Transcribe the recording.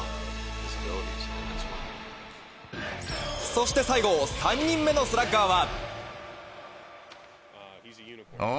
そして最後３人目のスラッガーは。